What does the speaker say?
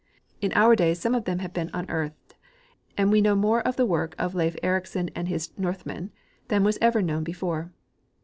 In our day some of them have been unearthed, and we know more of the work of Leif Ericsson and his Northmen than was ever known before.